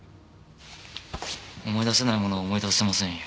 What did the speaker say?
思い出せないものは思い出せませんよ。